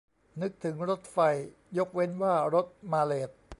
นึกถึงรถไฟ ยกเว้นว่ารถมาเลต